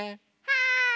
はい。